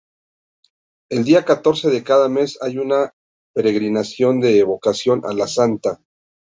El día catorce de cada mes hay una peregrinación en devoción a la santa.